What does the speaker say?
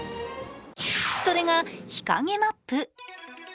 それが日陰マップ。